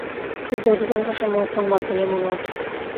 কিন্তু অধিকাংশ সময় ওকে উন্মাদ বলেই মনে হত।